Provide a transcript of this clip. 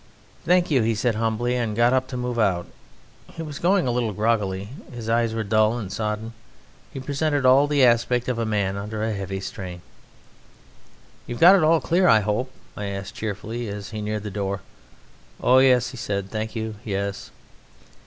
"Thank you," said he humbly, and he got up to move out. He was going a little groggily, his eyes were dull and sodden. He presented all the aspect of a man under a heavy strain. "You've got it all clear, I hope?" I asked cheerfully as he neared the door. "Oh, yes!" he said. "Thank you; yes!"